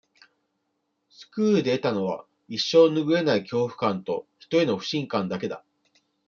スクールで得たのは、一生ぬぐえない恐怖感と、人への不信感だけだ。